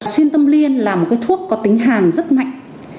xuyên tâm liên là một cái thuốc có tính hàn rất mạnh